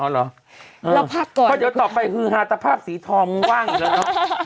แล้วพักก่อนคือเดี๋ยวต่อไปคือฮาร์ตภาพสีทองว่างอีกแล้วเนอะ